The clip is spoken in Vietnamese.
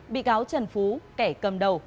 bị gáo trần phú kẻ cầm đầu